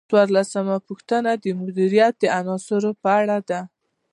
څوارلسمه پوښتنه د مدیریت د عناصرو په اړه ده.